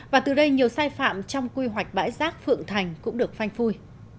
và từ đây nhiều sai phạm trong quy hoạch bãi rác phượng thành cũng được phanh phui